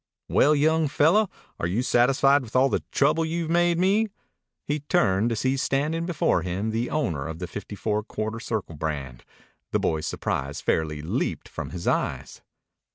"Well, young fellow, are you satisfied with all the trouble you've made me?" He turned, to see standing before him the owner of the Fifty Four Quarter Circle brand. The boy's surprise fairly leaped from his eyes.